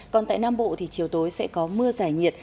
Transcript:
còn tại nam bộ thì chiều tối sẽ có mưa giải nhiệt